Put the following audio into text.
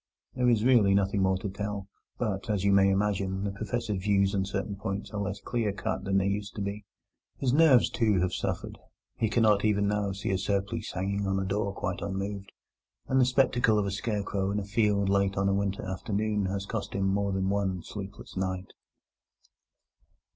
There is really nothing more to tell, but, as you may imagine, the Professor's views on certain points are less clear cut than they used to be. His nerves, too, have suffered: he cannot even now see a surplice hanging on a door quite unmoved, and the spectacle of a scarecrow in a field late on a winter afternoon has cost him more than one sleepless night.